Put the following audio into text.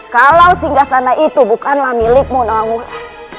kalau singgah sana itu bukanlah milikmu nawang gulan